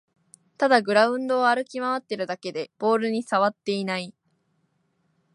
ただグラウンドを歩き回ってるだけでボールにさわっていない